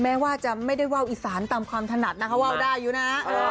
แม้ว่าจะไม่ได้ว่าวอีสานตามความถนัดนะคะว่าวได้อยู่นะ